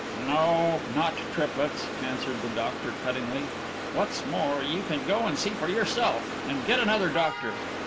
"No, not triplets!" answered the doctor cuttingly. "What's more, you can go and see for yourself. And get another doctor.